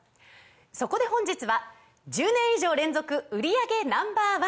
そこで本日は１０年以上連続売り上げＮｏ．１